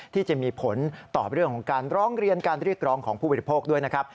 ที่จะมีผลต่อเรื่องของการร้องเรียนการเรียกร้องของผู้บริโภคด้วยนะครับ